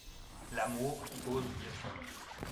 L'Amour qui ose dire son nom.